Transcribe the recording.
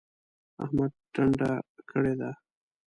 احمد ټنډه کړې ده.